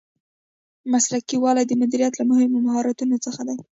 مسلکي والی د مدیریت له مهمو مهارتونو څخه دی.